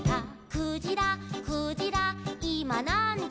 「クジラクジラいまなんじ」